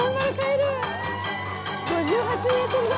５８ｍだ！